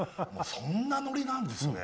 そんなノリなんですね。